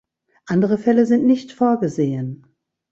Andere Fälle sind nicht vorgesehen.